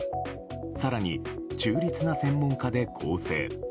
更に、中立な専門家で構成。